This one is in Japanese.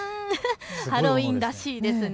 ハロウィーンらしいですね。